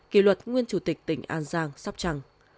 kỳ luật nguyên chủ tịch tỉnh an giang sóc trăng